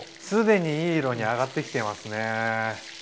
既にいい色に揚がってきていますね。